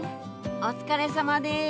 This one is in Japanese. お疲れさまです。